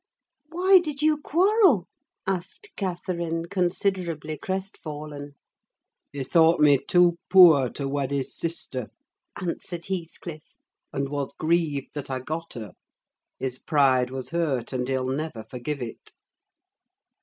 "Why did you quarrel?" asked Catherine, considerably crestfallen. "He thought me too poor to wed his sister," answered Heathcliff, "and was grieved that I got her: his pride was hurt, and he'll never forgive it."